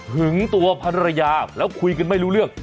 ตัวภรรยาแล้วคุยกันไม่รู้เรื่อง